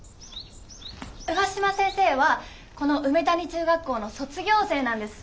上嶋先生はこの梅谷中学校の卒業生なんです。